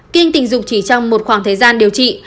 kinh tình dục chỉ trong một khoảng thời gian điều trị